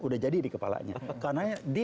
udah jadi di kepalanya karena dia